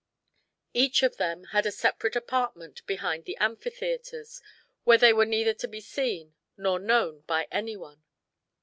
Each of them had a separate apartment behind the amphitheaters, where they were neither to be seen nor known by anyone.